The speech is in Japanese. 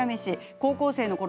高校生のころ